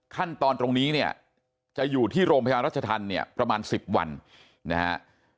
ขั้นตอนตรงนี้เนี่ยจะอยู่ที่โรงพยาบาลรัชธรรมเนี่ยประมาณ๑๐วันนะฮะ